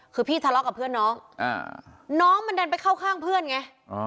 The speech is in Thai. คือพี่ทะเลาะกับเพื่อนน้องน้องมันดันไปเข้าข้างเพื่อนไง